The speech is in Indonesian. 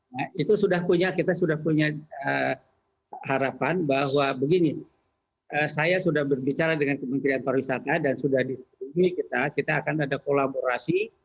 nah itu sudah punya kita sudah punya harapan bahwa begini saya sudah berbicara dengan kementerian pariwisata dan sudah disetujui kita akan ada kolaborasi